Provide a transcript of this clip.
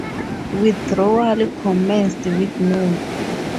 Withdrawal commenced with no.